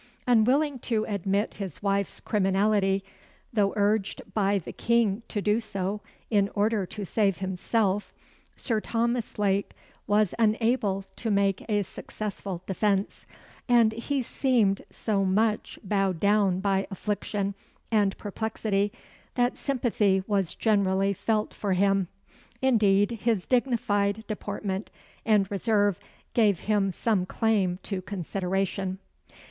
Unwilling to admit his wife's criminality, though urged by the King to do so in order to save himself, Sir Thomas Lake was unable to make a successful defence; and he seemed so much bowed down by affliction and perplexity, that sympathy was generally felt for him. Indeed, his dignified deportment and reserve gave him some claim to consideration.